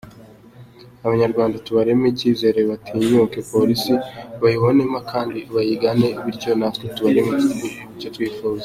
Abanyarwanda tubarememo icyizere batinyuke Polisi, bayibonemo kandi bayigane bityo natwe tubakorere ibyo bifuza.